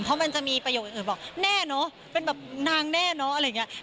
เพราะมันจะมีประโยคอื่นบอกแน่เนอะเป็นแบบนางแน่เนอะอะไรอย่างนี้